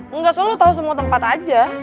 enggak soalnya lo tau semua tempat aja